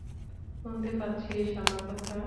শুনতে পাচ্ছিস আমার কথা?